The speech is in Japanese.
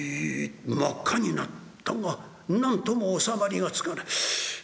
真っ赤になったがなんとも収まりがつかない。